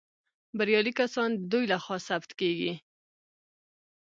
بریالي کسان د دوی لخوا ثبت کیږي.